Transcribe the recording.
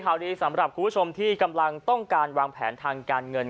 ข่าวดีสำหรับคุณผู้ชมที่กำลังต้องการวางแผนทางการเงิน